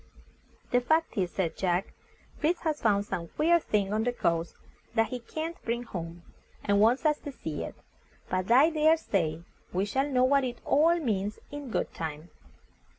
"The fact is," said Jack, "Fritz has found some queer thing on the coast that he can't bring home, and wants us to see it. But I dare say we shall know what it all means in good time."